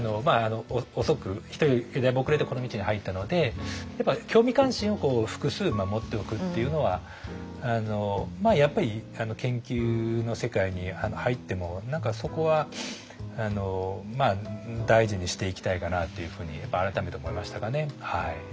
遅く人よりだいぶ遅れてこの道に入ったのでやっぱ興味関心を複数持っておくっていうのはやっぱり研究の世界に入っても何かそこは大事にしていきたいかなっていうふうにやっぱ改めて思いましたかね。